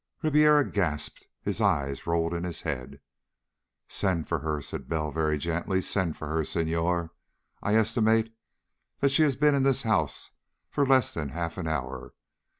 Ribiera gasped. His eyes rolled in his head. "Send for her," said Bell very gently. "Send for her, Senhor. I estimate that she has been in this house for less than half an hour.